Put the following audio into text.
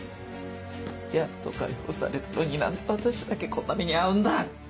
やっと解放されたのに何で私だけこんな目に遭うんだ。